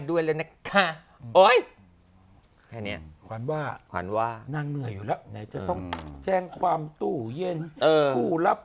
ด้วยแล้วนะค่ะโอ๊ยนั่งเหนื่อยอยู่แล้วแจ้งความตู้เย็นผู้รับ